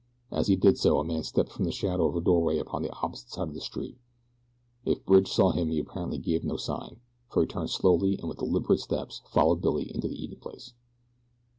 As he did so a man stepped from the shadow of a doorway upon the opposite side of the street. If Bridge saw him he apparently gave no sign, for he turned slowly and with deliberate steps followed Billy down into the eating place.